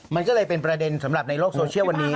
มันก็เลยเป็นประเด็นสำหรับในโลกโซเชียลวันนี้